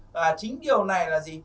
và chính điều này là gì